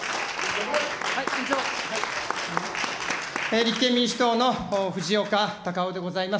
立憲民主党の藤岡隆雄でございます。